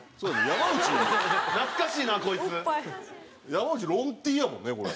山内ロンＴやもんねこれ。